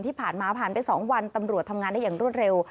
ที่ผ่านมาผ่านไป๒วันตำรวจทำงานได้อย่างรวดเร็ว